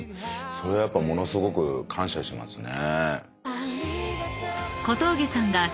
それはものすごく感謝してますね」